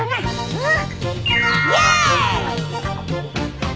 うん。